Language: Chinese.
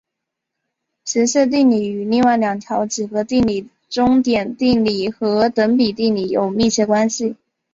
截线定理与另外两条几何定理中点定理和等比定理有密切关系。